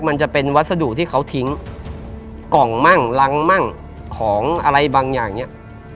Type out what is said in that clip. มันจะเป็นวัสดุที่เขาทิ้งกล่องมั่งรังมั่งของอะไรบางอย่างเนี่ย